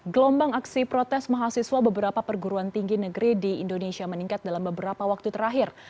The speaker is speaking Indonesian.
gelombang aksi protes mahasiswa beberapa perguruan tinggi negeri di indonesia meningkat dalam beberapa waktu terakhir